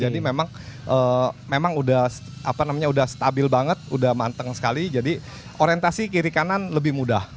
jadi memang memang udah apa namanya udah stabil banget udah manteng sekali jadi orientasi kiri kanan lebih mudah